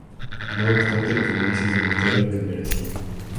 No obstante, los análisis demostraron que no era así.